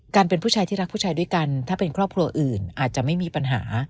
เป็นผู้ชายที่รักผู้ชายด้วยกันถ้าเป็นครอบครัวอื่นอาจจะไม่มีปัญหา